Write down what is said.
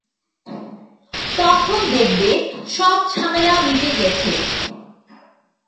তখন দেখবে, সব ঝামেলা মিটে গেছে!